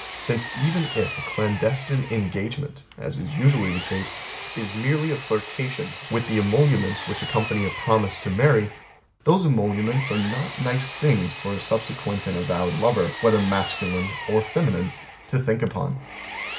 Since even if A clandestine engagement (as is usually the case) is merely a flirtation with the emoluments which accompany a promise to marry, those emoluments are not nice things for a subsequent and avowed lover, whether masculine or feminine, to think upon.